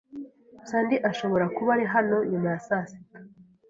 Sandy ashobora kuba ari hano nyuma ya saa sita.